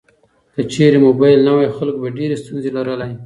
که چیرې موبایل نه وای، خلک به ډیر ستونزې لرلې.